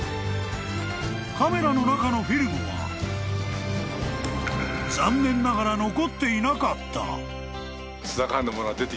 ［カメラの中のフィルムは残念ながら残っていなかった］